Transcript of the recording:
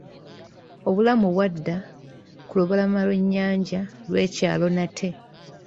Obulamu bw'adda ku lubalama lw'ennyanja lwe kyalo n'ate.